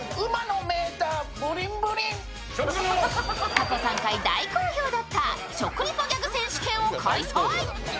過去３回、大好評だった食リポ選手権を開催。